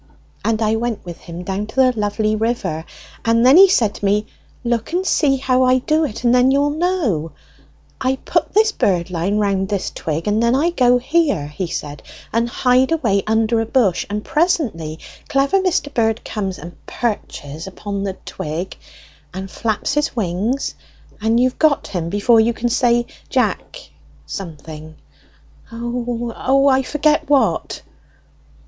And I went with him down to the lovely river, and then he said to me, 'Look and see how I do it, and then you'll know: I put this birdlime round this twig, and then I go here,' he said, 'and hide away under a bush; and presently clever Mister Bird comes and perches upon the twig, and flaps his wings, and you've got him before you can say Jack' something; O, O, O, I forget what!"